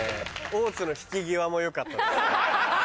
大津の引き際も良かったですね。